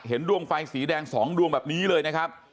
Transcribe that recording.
ดวงไฟสีแดง๒ดวงแบบนี้เลยนะครับ